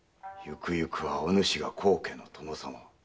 ゆくゆくはお主が高家の殿様。